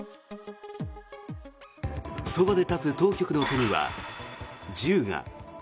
そばで立つ当局の手には銃が。